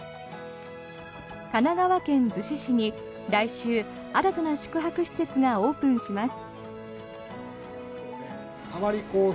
神奈川県逗子市に来週、新たな宿泊施設がオープンします。